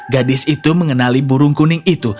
gadis itu mengenali burung kuning itu